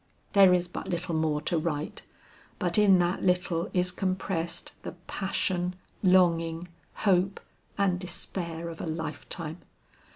"There is but little more to write, but in that little is compressed the passion, longing, hope and despair of a lifetime.